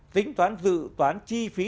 tính toán dự toán chi phí